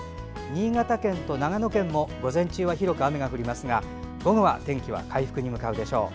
新潟県と長野県も午前中は広く雨が降りますが午後は天気は回復に向かうでしょう。